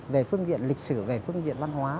về phương diện lịch sử về phương diện văn hóa